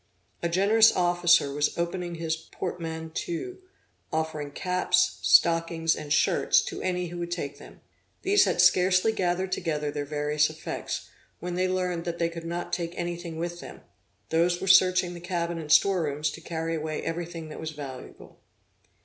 A generous officer was opening his portmanteau, offering caps, stockings, and shirts, to any who would take them. These had scarcely gathered together their various effects, when they learned that they could not take anything with them; those were searching the cabin and store rooms to carry away everything that was valuable.